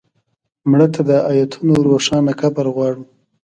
مړه ته د آیتونو روښانه قبر غواړو